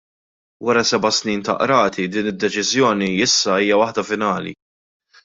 Wara seba' snin ta' qrati, din id-deċiżjoni issa hija waħda finali.